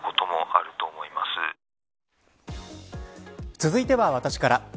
続いては私から。